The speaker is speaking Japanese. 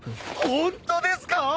ホントですか！？